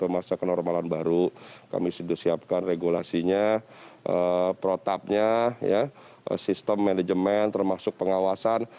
masa kenormalan baru kami sudah siapkan regulasinya protapnya sistem manajemen termasuk pengawasan